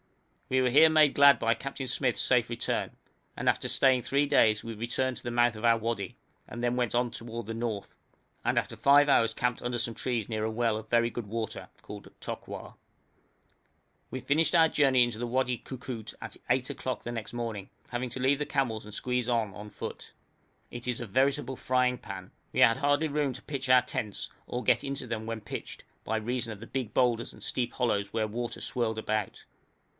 We were here made glad by Captain Smyth's safe return, and after staying three days we returned to the mouth of our wadi, and then went on toward the north, and after five hours camped under some large trees near a well of very good water, called Tokwar. We finished our journey into the Wadi Koukout at 8 o'clock next morning, having to leave the camels and squeeze on on foot. It is a veritable frying pan. We had hardly room to pitch our tents, or to get into them when pitched, by reason of the big boulders and steep hollows where water swirled about.